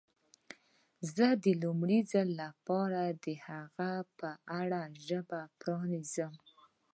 زه د لومړي ځل لپاره د هغه په اړه ژبه پرانیزم.